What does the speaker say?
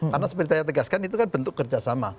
karena seperti saya tegaskan itu kan bentuk kerjasama